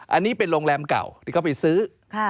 อันนี้เป็นโรงแรมเก่าที่เขาไปซื้อ